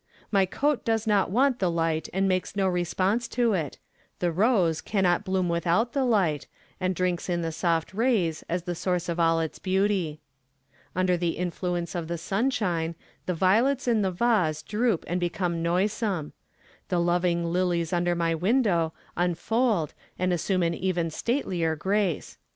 My coat does not want the light and makes no response to it; the rose cannot bloom without the light and drinks in the soft rays as the source of all its beauty. Under the influence of the sunshine, the violets in the vase droop and become noisome; the living lilies under my window unfold and assume an even statelier grace.